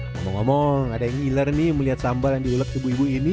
ngomong ngomong ada yang ngiler nih melihat sambal yang diulek ibu ibu ini